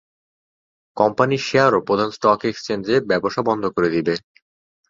কোম্পানির শেয়ারও প্রধান স্টক এক্সচেঞ্জে ব্যবসা বন্ধ করে দেবে।